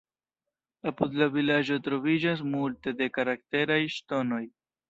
Apud la vilaĝo troviĝas multe de karakteraj "ŝtonoj".